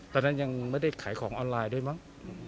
ตอนนั้นยังไม่ได้ขายของออนไลน์ด้วยมั้ง